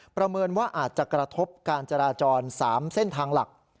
ประเมินว่าอาจจะกระทบการจราจร๓เส้นทางหลัก